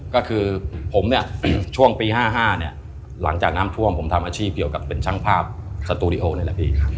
ก็คือผมเนี่ยช่วงปี๕๕เนี่ยหลังจากน้ำท่วมผมทำอาชีพเกี่ยวกับเป็นช่างภาพสตูดิโอนี่แหละพี่